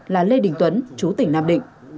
là lê đình tuấn chú tỉnh nam định